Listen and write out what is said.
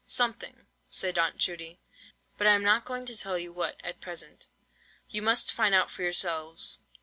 "Something," said Aunt Judy, "but I am not going to tell you what at present. You must find out for yourselves.